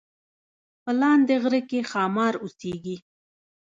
په لاندې غره کې ښامار اوسیږي